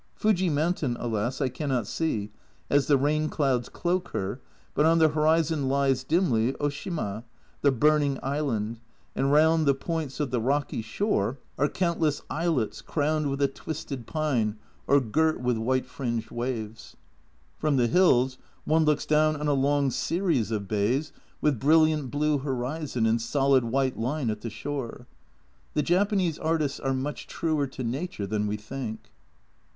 Fuji mountain, alas, I cannot see, as the rain clouds cloak her, but on the horizon lies, dimly, Oshima, the burning island, and round the points of 2 1 8 A Journal from Japan the rocky shore are countless islets crowned with a twisted pine or girt with white fringed waves. From the hills one looks down on a long series of bays with brilliant blue horizon and solid white line at the shore the Japanese artists are much truer to nature than we think.